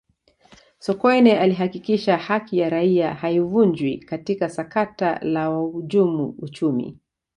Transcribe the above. sokoine alihakikisha haki ya raia haivunjwi katika sakata la wahujumu uchumi